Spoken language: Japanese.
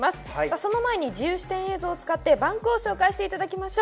その前に自由視点映像を使ってバンクを紹介していただきましょう。